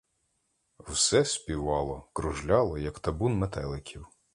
Все співало, кружляло, як табун метеликів.